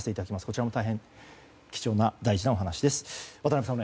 こちらも大変貴重な大事なお話です。